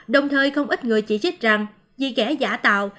đồng thời không ít người chỉ trích rằng dì ghẻ giả tạo